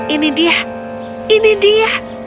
ini dia ini dia